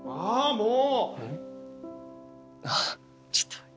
もう。